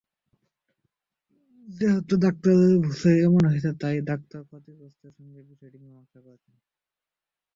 যেহেতু ডাক্তারের ভুলে এমন হয়েছে তাই ডাক্তারই ক্ষতিগ্রস্তদের সঙ্গে বিষয়টি মীমাংসা করেছেন।